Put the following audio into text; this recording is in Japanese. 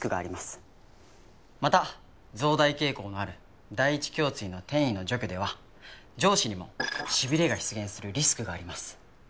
また増大傾向のある第１胸椎の転移の除去では上肢にもしびれが出現するリスクがあります。